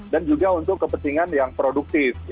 dan juga untuk kepentingan yang produktif